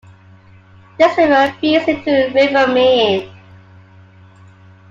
This river feeds into the River Main.